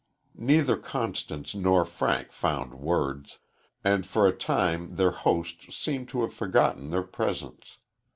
Neither Constance nor Frank found words, and for a time their host seemed to have forgotten their presence.